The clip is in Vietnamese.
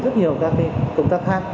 rất nhiều các công tác khác